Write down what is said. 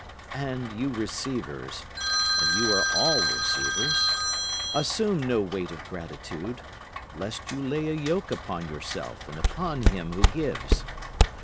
And you receivers and you are all receivers assume no weight of gratitude, lest you lay a yoke upon yourself and upon him who gives.